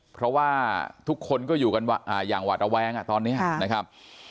เพราะว่าทุกคนก็อยู่กันอย่างหวาดระแวงตอนนี้นะครับ